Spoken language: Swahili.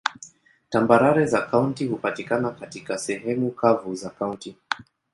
Tambarare za kaunti hupatikana katika sehemu kavu za kaunti.